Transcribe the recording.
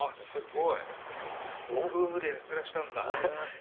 ご夫婦でやってらしたんだ。